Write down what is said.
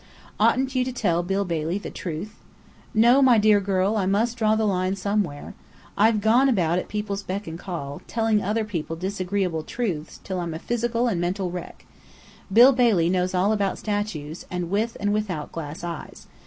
Oughtn't you to tell Bill Bailey the truth?" "No, my dear girl, I must draw the line somewhere! I've gone about at people's beck and call, telling other people disagreeable truths, till I'm a physical and mental wreck. Bill Bailey knows all about statues, with and without glass eyes.